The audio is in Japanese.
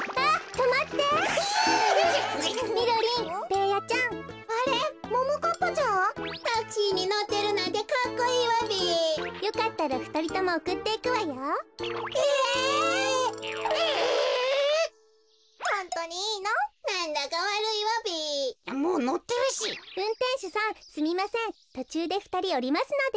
とちゅうでふたりおりますので。